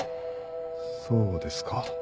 そうですか。